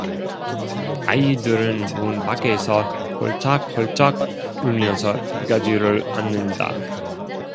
아이들은 문 밖에서 홀짝홀짝 울면서 가지를 않는다.